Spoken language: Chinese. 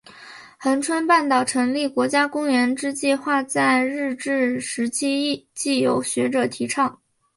恒春半岛成立国家公园之计画在日治时期即有学者提倡。